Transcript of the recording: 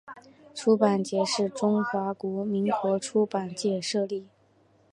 出版节是中华民国出版界设立。